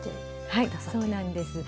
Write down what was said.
はいそうなんです。